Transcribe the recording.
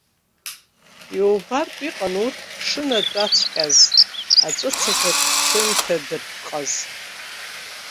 Иубартә иҟан урҭ шынатәаҵәҟьаз аҵәыцақәак шынҭадырпҟаз.